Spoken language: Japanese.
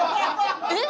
えっ？